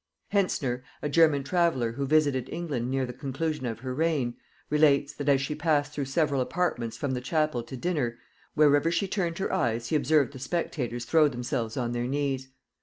Hentzner, a German traveller who visited England near the conclusion of her reign, relates, that as she passed through several apartments from the chapel to dinner, wherever she turned her eyes he observed the spectators throw themselves on their knees.